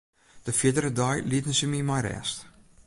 De fierdere dei lieten se my mei rêst.